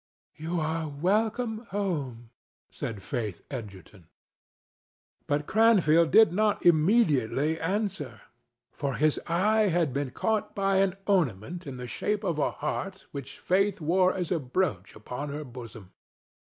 "You are welcome home," said Faith Egerton. But Cranfield did not immediately answer, for his eye had, been caught by an ornament in the shape of a heart which Faith wore as a brooch upon her bosom.